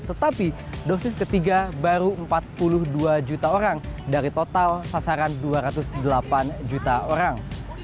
tetapi dosis ketiga baru empat puluh dua juta orang dari total sasaran dua ratus delapan juta orang